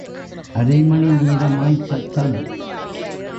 அரை மணி நேரமாய்ச் சத்தம்.